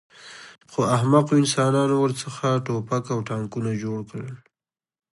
خو احمقو انسانانو ورڅخه ټوپک او ټانکونه جوړ کړل